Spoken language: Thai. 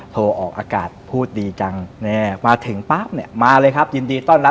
ออกอากาศพูดดีจังมาถึงปั๊บเนี่ยมาเลยครับยินดีต้อนรับ